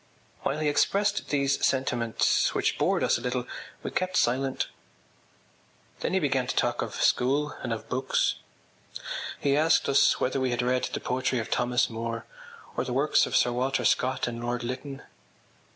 While he expressed these sentiments which bored us a little we kept silent. Then he began to talk of school and of books. He asked us whether we had read the poetry of Thomas Moore or the works of Sir Walter Scott and Lord Lytton.